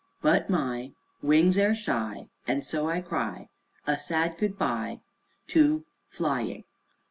But my Wings air shy And so I cry A sad goodby Too fly Ing.'"